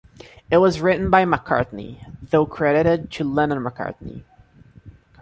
It was written by McCartney, though credited to Lennon-McCartney.